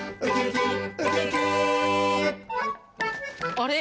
あれ？